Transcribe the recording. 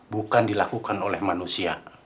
bukan dilakukan oleh manusia